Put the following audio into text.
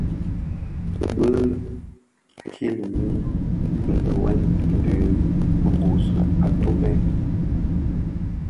Bi kilmi nhyughèn dhi kibuusi atumè.